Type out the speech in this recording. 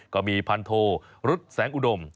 ก็มีพันโทรุษแสงอุดม